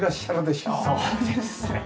そうですね。